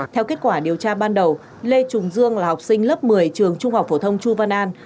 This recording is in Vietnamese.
theo kết quả điều tra ban đầu lê trùng dương là học sinh lớp một mươi trường trung học phổ thông chu văn an